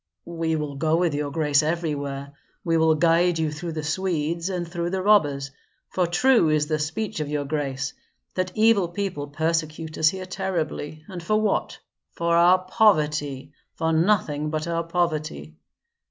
"We will go with your grace everywhere; we will guide you through the Swedes and through the robbers, for true is the speech of your grace, that evil people persecute us here terribly, and for what? For our poverty, for nothing but our poverty.